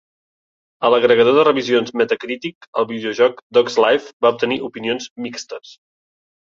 A l'agregador de revisions Metacritic, el videojoc "Dog's Life" va obtenir opinions "mixtes".